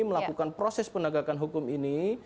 melakukan proses penegakan hukum ini